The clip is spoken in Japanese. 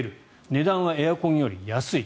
値段はエアコンよりも安い。